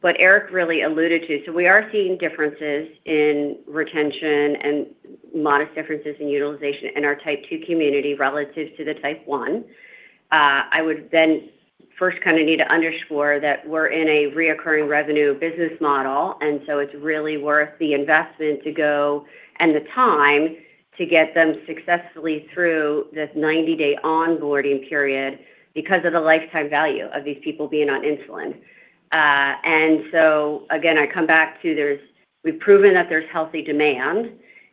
Speaker 3: What Eric really alluded to, we are seeing differences in retention and modest differences in utilization in our Type 2 community relative to the Type 1. I would first kind of need to underscore that we're in a reoccurring revenue business model. It's really worth the investment to go, and the time, to get them successfully through this 90-day onboarding period because of the lifetime value of these people being on insulin. Again, I come back to we've proven that there's healthy demand.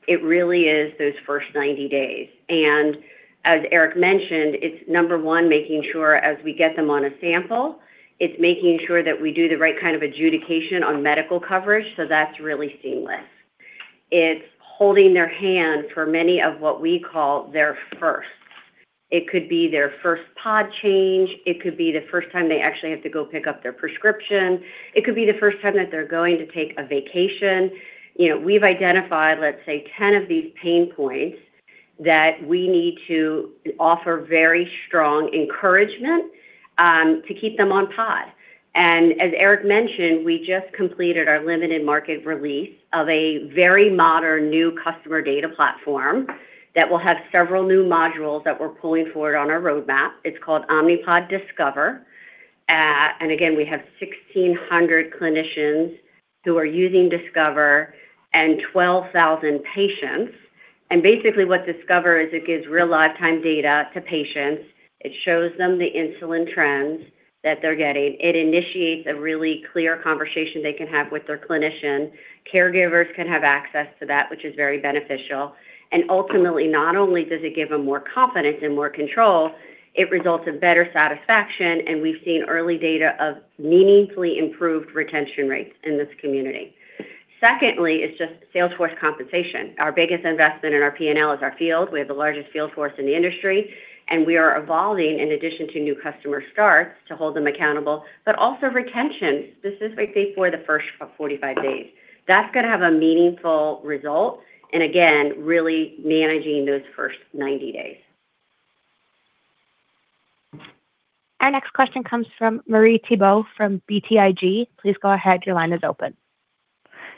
Speaker 3: It really is those first 90 days. As Eric mentioned, it's number one, making sure as we get them on a sample, it's making sure that we do the right kind of adjudication on medical coverage, so that's really seamless. It's holding their hand for many of what we call their firsts. It could be their first pod change. It could be the first time they actually have to go pick up their prescription. It could be the first time that they're going to take a vacation. We've identified, let's say, 10 of these pain points that we need to offer very strong encouragement to keep them on pod. As Eric mentioned, we just completed our limited market release of a very modern new customer data platform that will have several new modules that we're pulling forward on our roadmap. It's called Omnipod Discover. Again, we have 1,600 clinicians who are using Discover and 12,000 patients. Basically what Discover is, it gives real live time data to patients. It shows them the insulin trends that they're getting. It initiates a really clear conversation they can have with their clinician. Caregivers can have access to that, which is very beneficial. Ultimately, not only does it give them more confidence and more control, it results in better satisfaction, and we've seen early data of meaningfully improved retention rates in this community. Secondly, it's just sales force compensation. Our biggest investment in our P&L is our field. We have the largest field force in the industry, and we are evolving, in addition to new customer starts, to hold them accountable, but also retention, specifically for the first 45 days. That's going to have a meaningful result, and again, really managing those first 90 days.
Speaker 1: Our next question comes from Marie Thibault from BTIG. Please go ahead. Your line is open.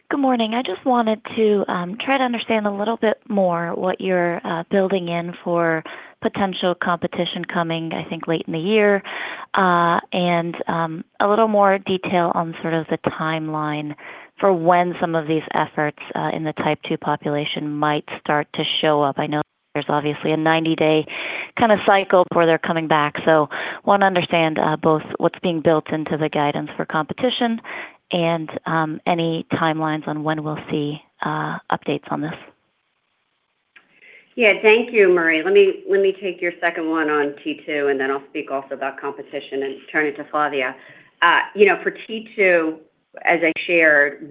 Speaker 11: Good morning. I just wanted to try to understand a little bit more what you're building in for potential competition coming, I think, late in the year. A little more detail on sort of the timeline for when some of these efforts in the Type 2 population might start to show up. I know there's obviously a 90-day kind of cycle before they're coming back. Want to understand both what's being built into the guidance for competition and any timelines on when we'll see updates on this.
Speaker 3: Thank you, Marie. Let me take your second one Type 2, and then I'll speak also about competition and turn it to Flavia. Type 2, as I shared,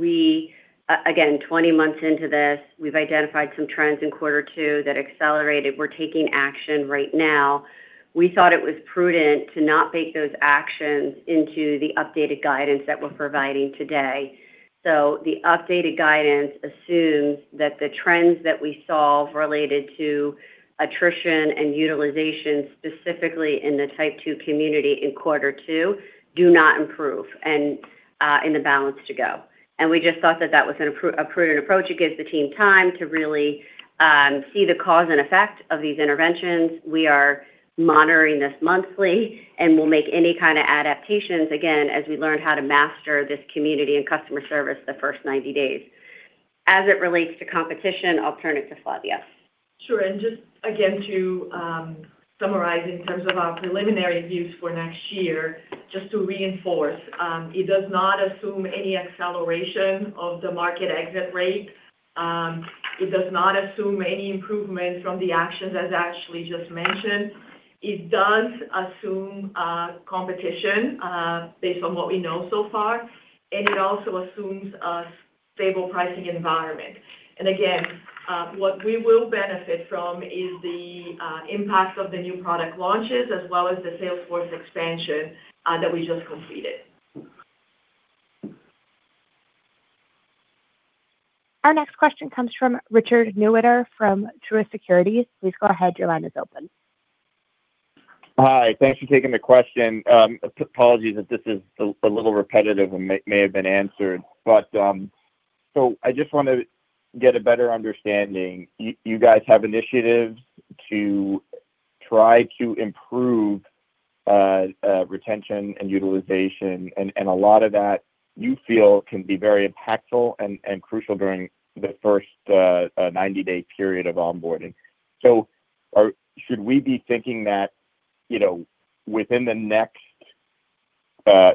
Speaker 3: again, 20 months into this, we've identified some trends in quarter two that accelerated. We're taking action right now. We thought it was prudent to not bake those actions into the updated guidance that we're providing today. The updated guidance assumes that the trends that we saw related to attrition and utilization, specifically in the Type 2 community in quarter two, do not improve in the balance to go. We just thought that that was a prudent approach. It gives the team time to really see the cause and effect of these interventions. We are monitoring this monthly and will make any kind of adaptations, again, as we learn how to master this community and customer service the first 90 days. As it relates to competition, I'll turn it to Flavia.
Speaker 4: Sure. Just again, to summarize in terms of our preliminary views for next year, just to reinforce, it does not assume any acceleration of the market exit rate. It does not assume any improvements from the actions as Ashley just mentioned. It does assume competition based on what we know so far. It also assumes a stable pricing environment. Again, what we will benefit from is the impact of the new product launches, as well as the sales force expansion that we just completed.
Speaker 1: Our next question comes from Richard Newitter from Truist Securities. Please go ahead. Your line is open.
Speaker 12: Hi. Thanks for taking the question. Apologies if this is a little repetitive and may have been answered. I just want to get a better understanding. You guys have initiatives to try to improve retention and utilization, and a lot of that you feel can be very impactful and crucial during the first 90-day period of onboarding. Should we be thinking that within the next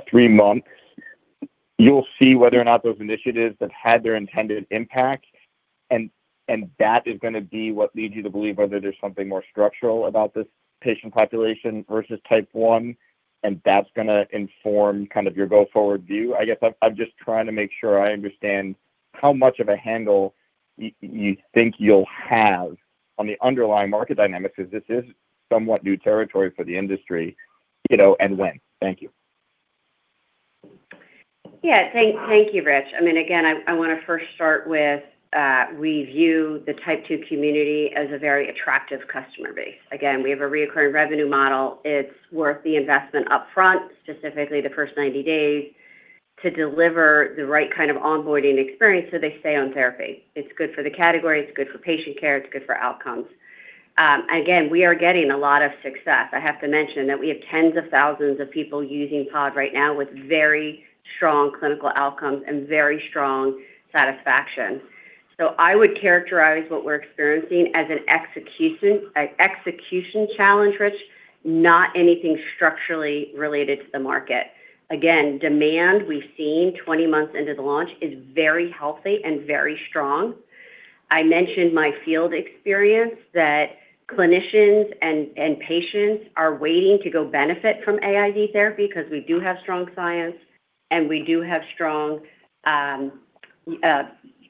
Speaker 12: three months, you'll see whether or not those initiatives have had their intended impact and that is going to be what leads you to believe whether there's something more structural about this patient population versus Type 1, and that's going to inform kind of your go-forward view? I guess I'm just trying to make sure I understand how much of a handle you think you'll have on the underlying market dynamics, because this is somewhat new territory for the industry, and when. Thank you.
Speaker 3: Thank you, Richard. Again, I want to first start with, we view the Type 2 community as a very attractive customer base. Again, we have a reoccurring revenue model. It's worth the investment up front, specifically the first 90 days, to deliver the right kind of onboarding experience so they stay on therapy. It's good for the category. It's good for patient care. It's good for outcomes. Again, we are getting a lot of success. I have to mention that we have tens of thousands of people using Pod right now with very strong clinical outcomes and very strong satisfaction. I would characterize what we're experiencing as an execution, execution challenge, Richard, not anything structurally related to the market. Again, demand we've seen 20 months into the launch is very healthy and very strong. I mentioned my field experience that clinicians and patients are waiting to go benefit from AID therapy because we do have strong science, and we do have strong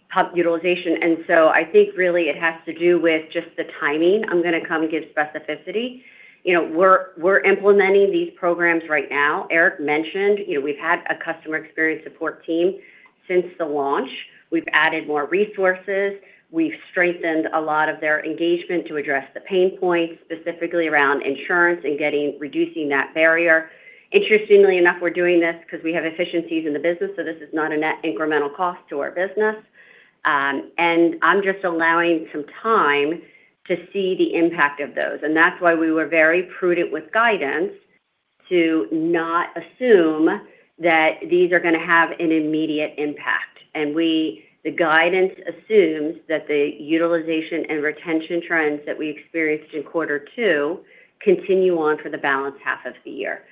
Speaker 3: Pod utilization. I think really it has to do with just the timing. I'm going to come give specificity. We're implementing these programs right now. Eric mentioned we've had a customer experience support team since the launch. We've added more resources. We've strengthened a lot of their engagement to address the pain points, specifically around insurance and reducing that barrier. Interestingly enough, we're doing this because we have efficiencies in the business, this is not a net incremental cost to our business. I'm just allowing some time to see the impact of those. That's why we were very prudent with guidance to not assume that these are going to have an immediate impact. The guidance assumes that the utilization and retention trends that we experienced in quarter 2 continue on for the balance half of the year.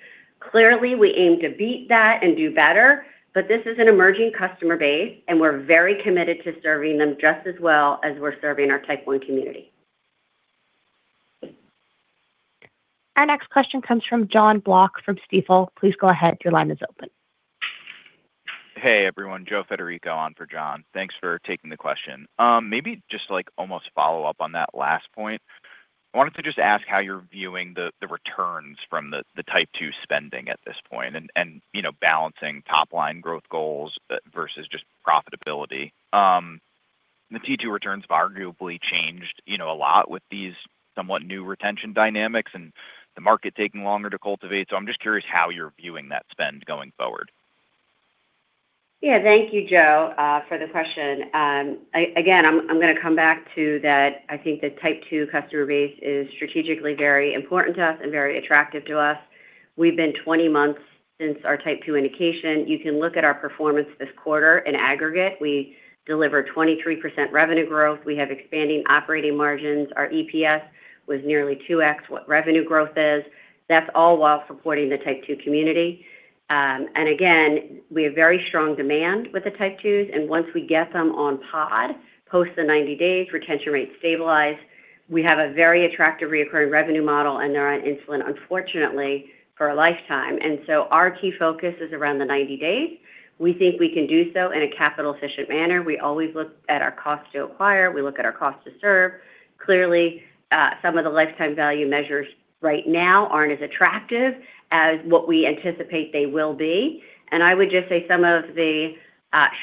Speaker 3: Clearly, we aim to beat that and do better, but this is an emerging customer base, and we're very committed to serving them just as well as we're serving our Type 1 community.
Speaker 1: Our next question comes from Jon Block from Stifel. Please go ahead. Your line is open.
Speaker 13: Hey, everyone. Joe Federico on for John. Thanks for taking the question. Maybe just to almost follow up on that last point. I wanted to just ask how you're viewing the returns from the Type 2 spending at this point and balancing top-line growth goals versus just profitability. The T2 returns have arguably changed a lot with these somewhat new retention dynamics and the market taking longer to cultivate. I'm just curious how you're viewing that spend going forward.
Speaker 3: Yeah. Thank you, Joe, for the question. I'm going to come back to that I think the Type 2 customer base is strategically very important to us and very attractive to us. We've been 20 months since our Type 2 indication. You can look at our performance this quarter in aggregate. We delivered 23% revenue growth. We have expanding operating margins. Our EPS was nearly 2x what revenue growth is. That's all while supporting the Type 2 community. We have very strong demand with the Type 2s, and once we get them on Omnipod, post the 90 days, retention rates stabilize. We have a very attractive reoccurring revenue model, and they're on insulin, unfortunately, for a lifetime. Our key focus is around the 90 days. We think we can do so in a capital-efficient manner. We always look at our cost to acquire. We look at our cost to serve. Clearly, some of the lifetime value measures right now aren't as attractive as what we anticipate they will be. I would just say some of the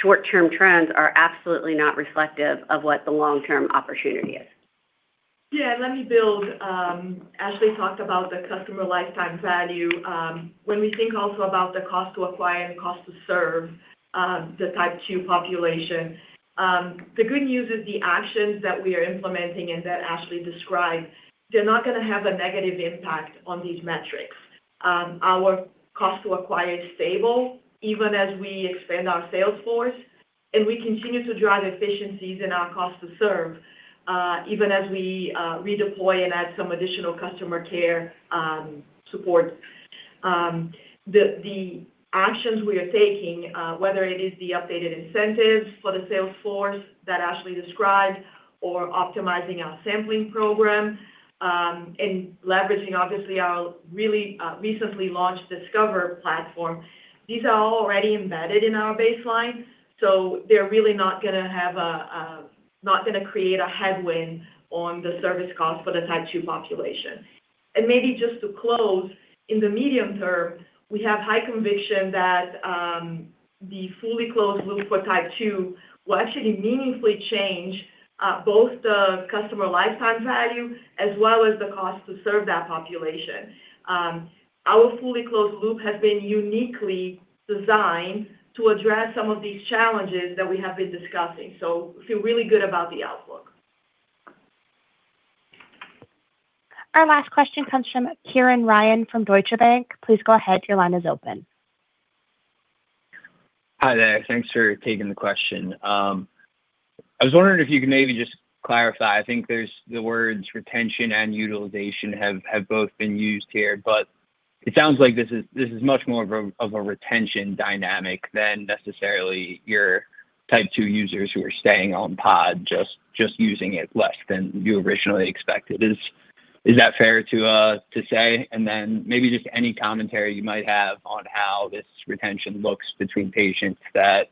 Speaker 3: short-term trends are absolutely not reflective of what the long-term opportunity is.
Speaker 4: Yeah, let me build. Ashley talked about the customer lifetime value. When we think also about the cost to acquire and cost to serve the Type 2 population, the good news is the actions that we are implementing and that Ashley described, they're not going to have a negative impact on these metrics. Our cost to acquire is stable even as we expand our sales force, and we continue to drive efficiencies in our cost to serve, even as we redeploy and add some additional customer care support. The actions we are taking, whether it is the updated incentives for the sales force that Ashley described, or optimizing our sampling program, and leveraging, obviously, our really recently launched Discover platform. These are all already embedded in our baseline, so they're really not going to create a headwind on the service cost for the Type 2 population. Maybe just to close, in the medium term, we have high conviction that the fully closed loop for Type 2 will actually meaningfully change both the customer lifetime value as well as the cost to serve that population. Our fully closed loop has been uniquely designed to address some of these challenges that we have been discussing, so we feel really good about the outlook.
Speaker 1: Our last question comes from Kieran Ryan from Deutsche Bank. Please go ahead. Your line is open.
Speaker 14: Hi there. Thanks for taking the question. I was wondering if you could maybe just clarify, I think the words retention and utilization have both been used here, but it sounds like this is much more of a retention dynamic than necessarily your Type 2 users who are staying on Pod, just using it less than you originally expected. Is that fair to say? Maybe just any commentary you might have on how this retention looks between patients that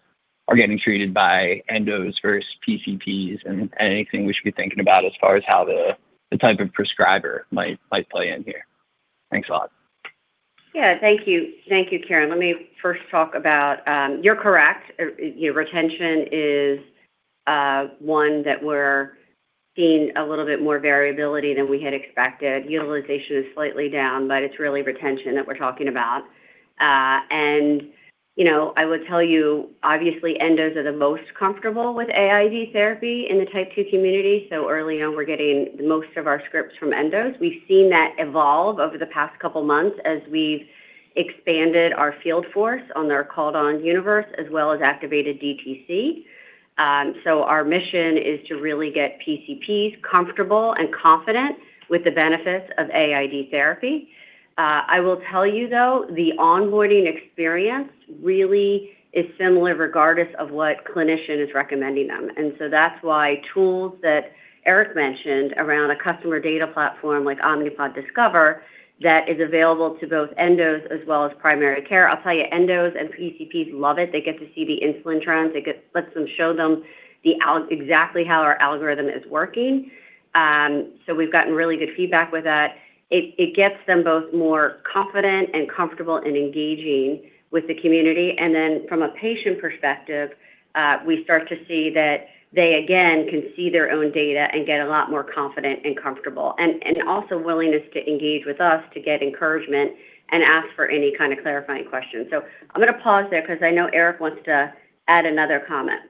Speaker 14: are getting treated by endos versus PCPs and anything we should be thinking about as far as how the type of prescriber might play in here. Thanks a lot.
Speaker 3: Yeah. Thank you. Thank you, Kieran. You're correct. Retention is one that we're seeing a little bit more variability than we had expected. Utilization is slightly down, but it's really retention that we're talking about. I would tell you, obviously, endos are the most comfortable with AID therapy in the Type 2 community, so early on, we're getting most of our scripts from endos. We've seen that evolve over the past couple of months as we've expanded our field force on their called on universe as well as activated DTC. Our mission is to really get PCPs comfortable and confident with the benefits of AID therapy. I will tell you, though, the onboarding experience really is similar regardless of what clinician is recommending them, and so that's why tools that Eric mentioned around a customer data platform like Omnipod Discover that is available to both endos as well as primary care. I'll tell you, endos and PCPs love it. They get to see the insulin trends. It lets them show them exactly how our algorithm is working. We've gotten really good feedback with that. It gets them both more confident and comfortable in engaging with the community. From a patient perspective, we start to see that they again can see their own data and get a lot more confident and comfortable and also willingness to engage with us to get encouragement and ask for any kind of clarifying questions. I'm going to pause there because I know Eric wants to add another comment.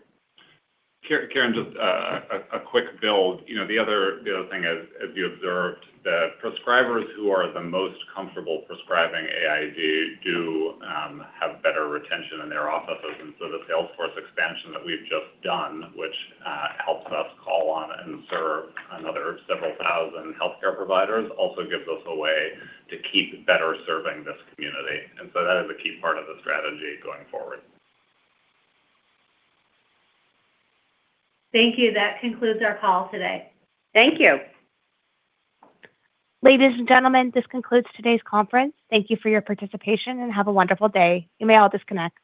Speaker 9: Kieran, just a quick build. The other thing is, as you observed, that prescribers who are the most comfortable prescribing AID do have better retention in their offices. The sales force expansion that we've just done, which helps us call on and serve another several thousand healthcare providers, also gives us a way to keep better serving this community. That is a key part of the strategy going forward.
Speaker 4: Thank you. That concludes our call today.
Speaker 3: Thank you.
Speaker 1: Ladies and gentlemen, this concludes today's conference. Thank you for your participation, and have a wonderful day. You may all disconnect.